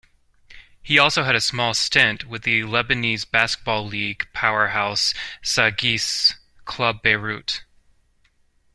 He also had a small stint with Lebanese Basketball League powerhouse Sagesse Club Beirut.